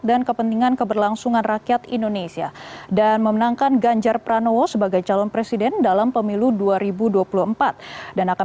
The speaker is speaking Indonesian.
dan tidak boleh rakyat kita hadap hadapkan